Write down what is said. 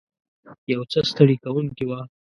یو څه ستړې کوونکې وه.